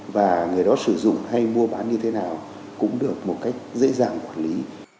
và người đó sử dụng hay mua bán như thế nào cũng được một cách dễ dàng quản lý